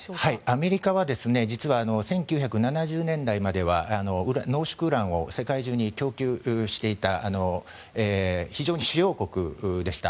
アメリカは実は１９７０年代までは濃縮ウランを世界中に供給していた非常に主要国でした。